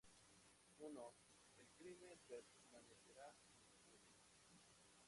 Uno: el crimen permanecerá impune.